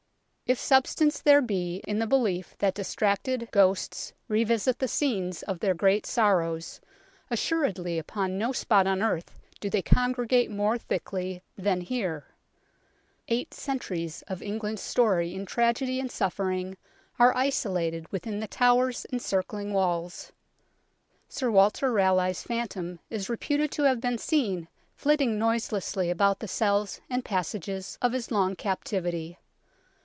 If substance there be in the belief that distracted ghosts revisit the scenes of their great sorrows, assuredly upon no spot on earth do they congregate more thickly than here. Eight centuries of England's story in tragedy and suffering are isolated with in The Tower's encircling walls. Sir Walter Raleigh's phantom is reputed to have been seen flitting noiselessly about the cells and passages of his long captivity.